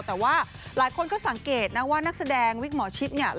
แต่ว่าหลายคนก็สังเกตนะว่านักแสดงวิกหมอชิดเนี่ย